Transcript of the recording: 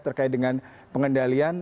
terkait dengan pengendalian